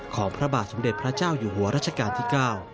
ของพระบาทสมเด็จพระเจ้าอยู่หัวรัชกาลที่๙